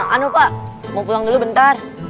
anupa mau pulang dulu bentar